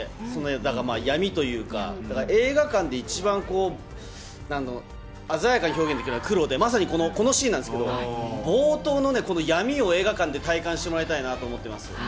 だから闇というか、だから映画館で一番鮮やかに表現できるのは黒で、まさにこのシーンなんですけど、冒頭のこの闇を映画館で体感してもらいたいなと思ってます。